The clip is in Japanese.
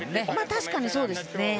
確かにそうですね。